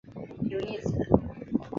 有一子。